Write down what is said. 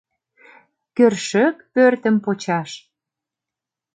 Кӧршӧк пӧртым почаш!